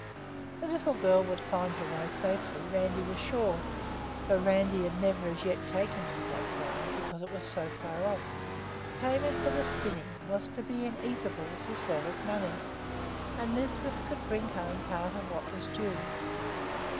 The little girl would find her way safely, Randi was sure, although Randi had never as yet taken her to that farm because it was so far off. The payment for the spinning was to be in eatables as well as money, and Lisbeth could bring home part of what was due.